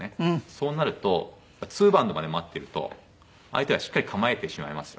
そうなるとやっぱり２バウンドまで待ってると相手はしっかり構えてしまいますよね。